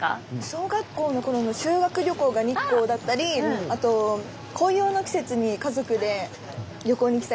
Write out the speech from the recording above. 小学校の頃の修学旅行が日光だったりあと紅葉の季節に家族で旅行に来たり。